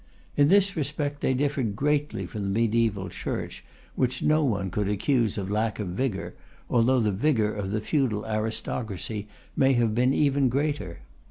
In this respect they differed greatly from the mediæval Church, which no one could accuse of lack of vigour, although the vigour of the feudal aristocracy may have been even greater.